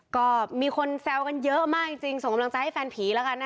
ก็มีคนแซวกันเยอะมากจริงส่งกำลังใจให้แฟนผีแล้วกันนะคะ